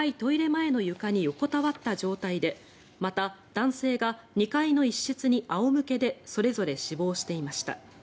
前の床に横たわった状態でまた、男性が２階の一室に仰向けでそれぞれ死亡していました。